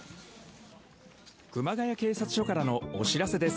熊谷警察署からのお知らせです。